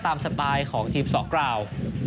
สไตล์ของทีมสอกราว